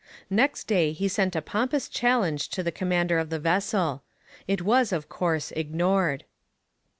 Next day he sent a pompous challenge to the commander of the vessel. It was, of course, ignored.